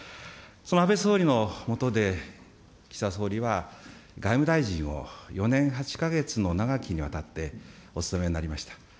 その安倍総理の下で岸田総理は外務大臣を４年８か月の長きにわたってお務めになりました。